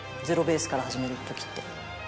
ゼロベースから始めるときって。